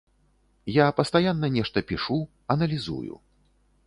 Я пастаянна нешта пішу, аналізую.